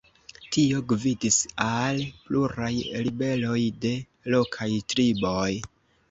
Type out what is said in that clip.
Tio gvidis al pluraj ribeloj de lokaj triboj.